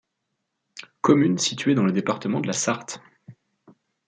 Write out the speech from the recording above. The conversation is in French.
Commune située dans le département de la Sarthe.